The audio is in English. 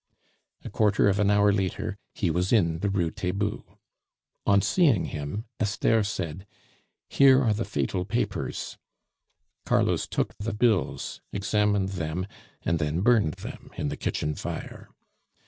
A quarter of a hour later he was in the Rue Taitbout. On seeing him, Esther said: "Here are the fatal papers." Carlos took the bills, examined them, and then burned them in the kitchen fire.